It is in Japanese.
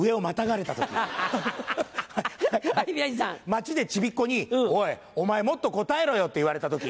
街でちびっ子に「おいお前もっと答えろよ！」って言われた時。